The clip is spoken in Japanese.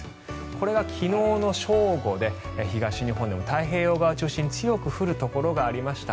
これが昨日の正午で東日本でも太平洋側を中心に強く降るところがありました。